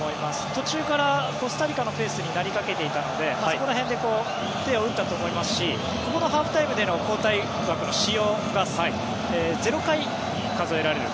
途中からコスタリカのペースになりかけていたのでそこら辺で手を打ったと思いますしハーフタイムでの交代は回数が０回に数えられる。